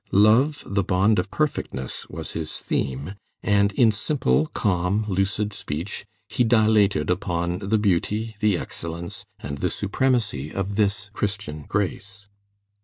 "Love, the bond of perfectness," was his theme, and in simple, calm, lucid speech he dilated upon the beauty, the excellence, and the supremacy of this Christian grace.